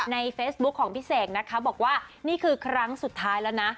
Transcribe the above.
ในเฟซบุ๊คของพี่เสกนะคะบอกว่านี่คือครั้งสุดท้ายแล้วนะ